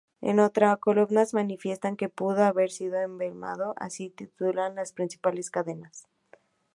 En otras columnas manifiestan que "Pudo haber sido envenenado", así titulan las principales cadenas.